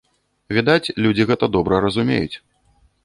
Відаць, людзі гэта добра разумеюць.